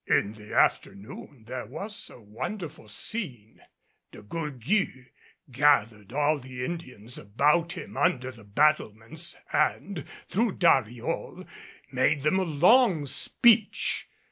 In the afternoon there was a wonderful scene. De Gourgues gathered all the Indians about him under the battlements and, through Dariol, made them a long speech.